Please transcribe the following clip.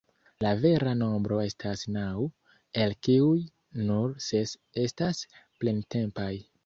La vera nombro estas naŭ, el kiuj nur ses estas plentempaj.